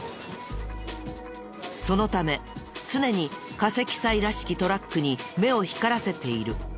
そのため常に過積載らしきトラックに目を光らせている。